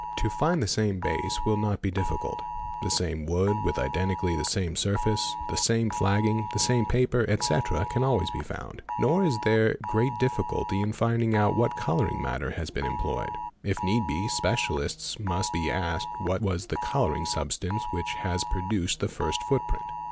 'To ftnd the same base will not be difficult; the same wood with identically the same surface, the same flagging, the same paper, etc., can always be found. Nor is there _ great difficulty in finding out what colouring matter has been employed. If need be, specialists must be asked what was the colouring substance _ which has produced the first footprint.